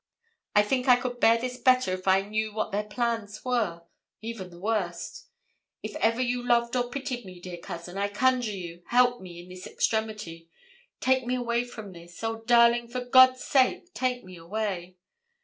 I think I could bear this better if I knew what their plans are, even the worst. If ever you loved or pitied me, dear cousin, I conjure you, help me in this extremity. Take me away from this. Oh, darling, for God's sake take me away!